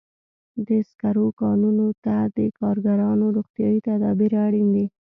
د سکرو کانونو ته د کارګرانو روغتیايي تدابیر اړین دي.